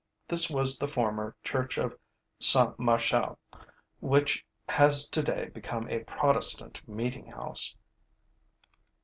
This was the former Church of Saint Martial, which has today become a Protestant meeting house.